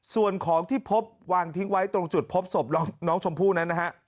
ส่วนของที่พบวางทิ้งไว้ตรงจุดพบศพน้องชมพู่นั้นนะฮะ